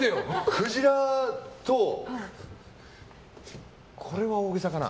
クジラと、これは大げさかな。